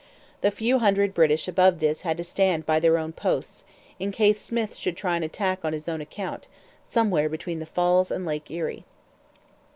The few hundred British above this had to stand by their own posts, in case Smyth should try an attack on his own account, somewhere between the Falls and Lake Erie.